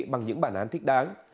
bằng những bản án thích đáng